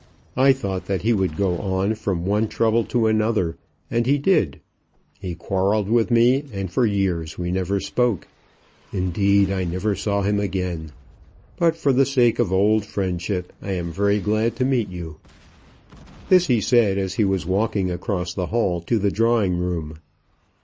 I thought that he would go on from one trouble to another; and he did. He quarrelled with me, and for years we never spoke. Indeed I never saw him again. But for the sake of old friendship, I am very glad to meet you." This he said, as he was walking across the hall to the drawing room.